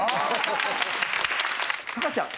さかちゃん？